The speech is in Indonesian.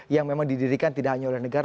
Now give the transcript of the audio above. yang memang didirikan tidak hanya oleh negara